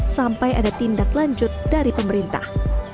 sampai ada tindak lanjut dari pemerintah